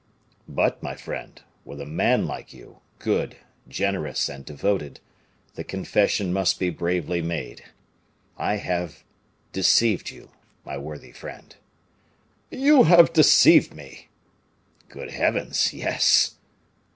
But, my friend, with a man like you, good, generous, and devoted, the confession must be bravely made. I have deceived you, my worthy friend." "You have deceived me!" "Good Heavens! yes."